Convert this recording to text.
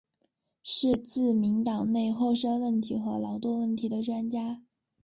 是自民党内厚生问题和劳动问题的专家。